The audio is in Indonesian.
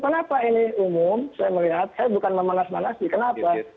kenapa ini umum saya melihat saya bukan memanas manasi kenapa